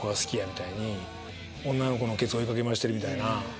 みたいに女の子のケツ追い掛け回してるみたいな。